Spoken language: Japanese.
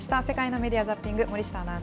世界のメディア・ザッピング。